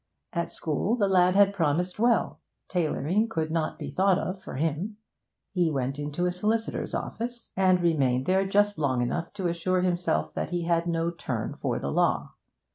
At school the lad had promised well; tailoring could not be thought of for him; he went into a solicitor's office, and remained there just long enough to assure himself that he had no turn for the law.